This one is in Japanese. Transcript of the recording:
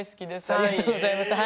ありがとうございます。